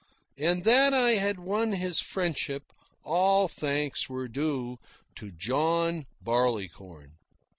And that I had won his friendship, all thanks were due to John Barleycorn.